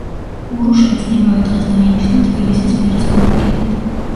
ურუშაძე იმავე დღეს დაინიშნა თბილისის მერის მოადგილედ.